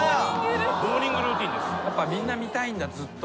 みんな見たいんだずっと。